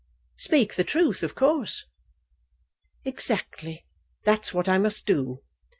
"Speak the truth out, of course." "Exactly. That's what I must do.